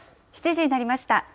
７時になりました。